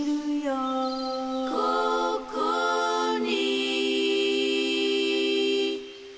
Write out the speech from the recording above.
「ここに」